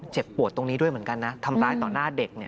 เจ็บปวดตรงนี้ด้วยเหมือนกันนะทำร้ายต่อหน้าเด็กเนี่ย